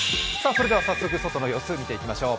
それでは早速外の様子、見ていきましょう。